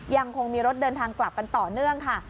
ยังคงมีรถเดินทางกลับกันต่อเนื่องค่ะ